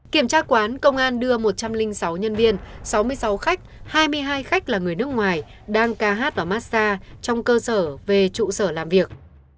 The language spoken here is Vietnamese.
kiểm tra quán công an đưa một trăm linh sáu nhân viên sáu mươi sáu khách hai mươi hai khách là người nước ngoài đang ca hát vào massage trong cơ sở về trụ sở làm việc